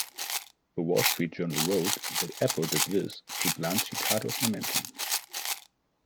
"The Wall Street Journal" wrote that Apple did this to "blunt Chicago's momentum".